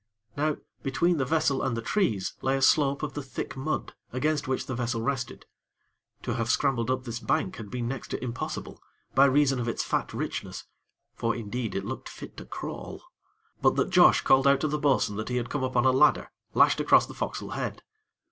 Now between the vessel and the trees, lay a slope of the thick mud, against which the vessel rested. To have scrambled up this bank had been next to impossible, by reason of its fat richness; for, indeed, it looked fit to crawl; but that Josh called out to the bo'sun that he had come upon a ladder, lashed across the fo'cas'le head.